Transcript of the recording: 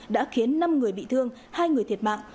đã khiến năm người bị thương hai người thiệt mạng